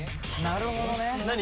なるほどね何？